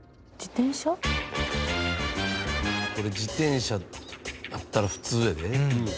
これ自転車やったら普通やで。